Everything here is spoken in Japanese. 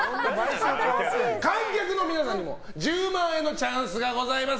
観客の皆さんにも１０万円のチャンスがございます。